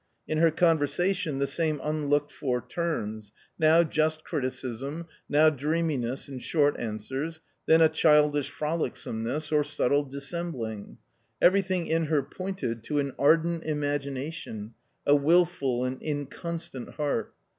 In her conversation the same unlooked for turns ; now just criticism, now dreaminess and short answers, then a childish frolicsomeness, or subtle dissembling. Everything in her pointed to an ardent imagination, a wilful and inconstant heart.